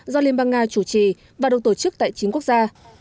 do liên bang nga chủ trì và được tổ chức tại chín quốc gia